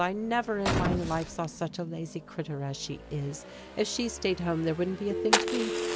I never in my life Saw such a lazy critter as she is. If she stayed home, there wouldn't be a thing To eat.